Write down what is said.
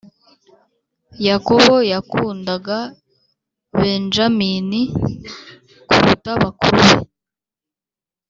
Yakobo yakundaga benjamini kuruta bakuru be